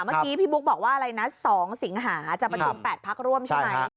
เมื่อกี้พี่บุ๊กบอกว่าอะไรนะ๒สิงหาจะประชุม๘พักร่วมใช่ไหม